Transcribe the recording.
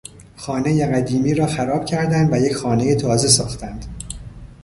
خانهی قدیمی را خراب کردند و یک خانهی تازه ساختند.